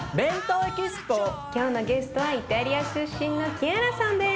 今日のゲストはイタリア出身のキアラさんです。